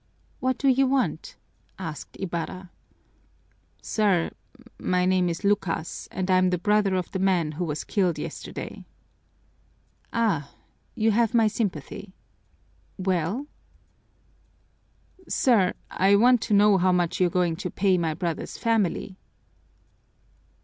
"What do you want?" asked Ibarra. "Sir, my name is Lucas, and I'm the brother of the man who was killed yesterday." "Ah, you have my sympathy. Well?" "Sir, I want to know how much you're going to pay my brother's family."